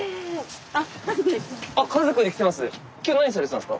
あっ家族で来てます？